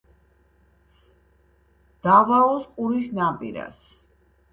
დავაოს ყურის ნაპირას.